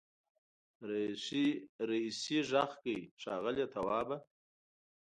رئيسې غږ کړ ښاغلی توابه.